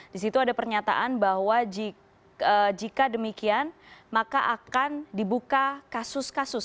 di situ ada pernyataan bahwa jika demikian maka akan dibuka kasus kasus